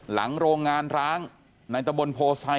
หลังโรงงานร้างในตะบลโพไซค์